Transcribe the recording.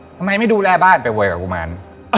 ทำไมไม่ดูแลบ้านไปโวยกับกุมาร